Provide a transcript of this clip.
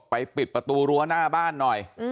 ปิดประตูรั้วหน้าบ้านหน่อย